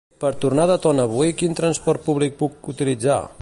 Per tornar de Tona avui, quin transport públic puc utilitzar?